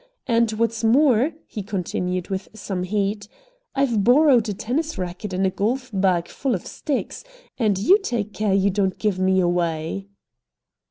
And, what's more," he continued, with some heat, "I've borrowed a tennis racket and a golf bag full of sticks, and you take care you don't give me away."